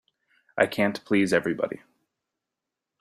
I can't please everybody.